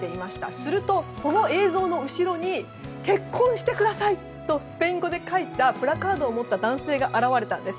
すると、その映像の後ろに結婚してくださいとスペイン語で書いたプラカードを持った男性が現れたんです。